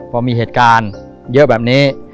พอมีเหตุการณ์เยอะแบบนี้